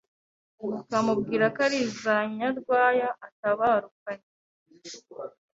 bakamubwira ko ari iza Nyarwaya atabarukanye